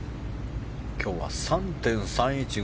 今日は３．３１５。